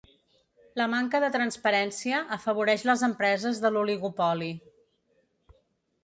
La manca de transparència afavoreix les empreses de l’oligopoli.